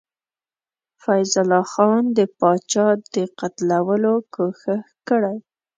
فیض الله خان د پاچا د قتلولو کوښښ کړی.